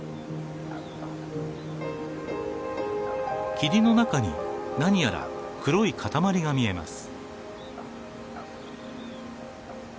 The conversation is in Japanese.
霧の中に何やら黒い塊が見えます。